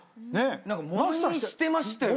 ものにしてましたよね。